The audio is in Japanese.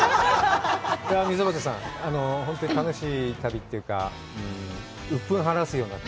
さあ、溝端さん、本当に楽しい旅というか、鬱憤晴らすような旅。